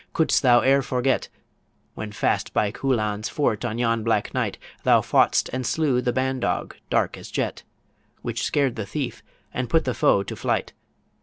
could'st thou ere forget, When fast by Culann's fort on yon black night, Thou fought'st and slew the ban dog dark as jet, Which scared the thief, and put the foe to flight!